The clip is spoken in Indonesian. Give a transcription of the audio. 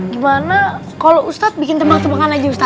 gimana kalau ustadz bikin tembak tembakan aja ya